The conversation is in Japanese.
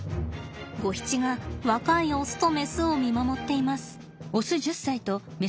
ゴヒチが若いオスとメスを見守っています。